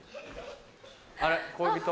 あれ恋人？